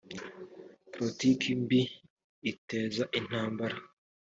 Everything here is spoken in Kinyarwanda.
politike mbi iteza intambara